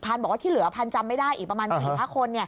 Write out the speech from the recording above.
พรานบอกว่าที่เหลือพรานจำไม่ได้อีกประมาณสิบห้าคน